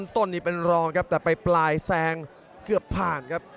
ต้นนี่เป็นรองครับแต่ไปปลายแซงเกือบผ่านครับ